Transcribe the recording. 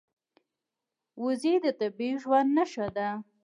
وزې د طبیعي ژوند نښه ده